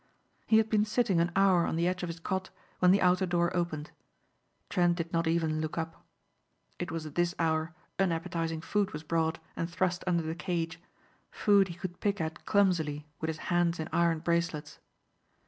He had been sitting an hour on the edge of his cot when the outer door opened. Trent did not even look up. It was at this hour unappetizing food was brought and thrust under the cage, food he could pick at clumsily with his hands in iron bracelets.